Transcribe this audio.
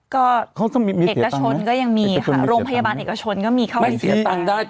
ก็เอกชนก็ยังมีค่ะโรงพยาบาลเอกชนก็มีเข้ามาเสียตังค์ได้